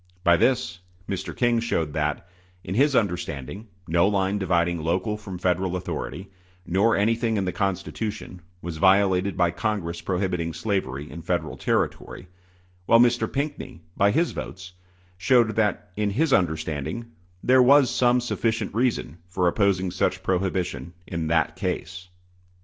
By this, Mr. King showed that, in his understanding, no line dividing local from Federal authority, nor anything in the Constitution, was violated by Congress prohibiting slavery in Federal territory; while Mr. Pinckney, by his votes, showed that, in his understanding, there was some sufficient reason for opposing such prohibition in that case.